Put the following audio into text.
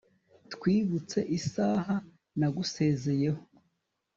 Twibutse isaha nagusezeyeho